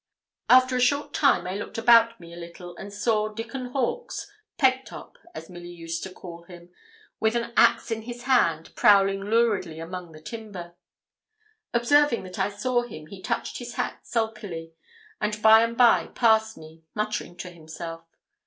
After a short time I looked about me a little, and I saw Dickon Hawkes Pegtop, as poor Milly used to call him with an axe in his hand, prowling luridly among the timber. Observing that I saw him, he touched his hat sulkily, and by and by passed me, muttering to himself.